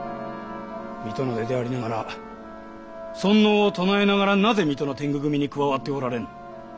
水戸の出でありながら尊王を唱えながらなぜ水戸の天狗組に加わっておられぬ？